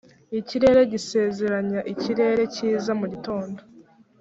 ikirere gisezeranya ikirere cyiza mugitondo.